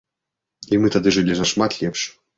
І мы тады жылі нашмат лепш.